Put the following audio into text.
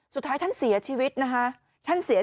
สุดท้ายท่านเสียชีวิตนะคะ